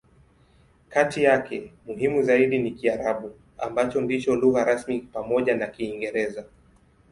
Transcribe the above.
Kati yake, muhimu zaidi ni Kiarabu, ambacho ndicho lugha rasmi pamoja na Kiingereza.